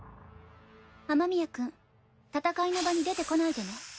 雨宮君戦いの場に出てこないでね。